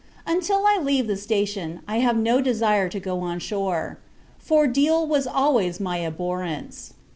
Until I leave the station, I have no desire to go on shore; for, Deal was always my abhorrence.